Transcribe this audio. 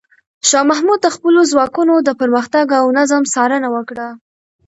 شاه محمود د خپلو ځواکونو د پرمختګ او نظم څارنه وکړه.